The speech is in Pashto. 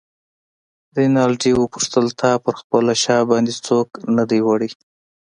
رینالډي وپوښتل: تا پر خپله شا باندې څوک نه دی وړی؟